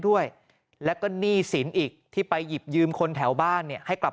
ด้วยแล้วก็หนี้สินอีกที่ไปหยิบยืมคนแถวบ้านเนี่ยให้กลับ